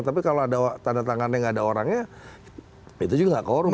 tapi kalau ada tanda tangannya nggak ada orangnya itu juga nggak korum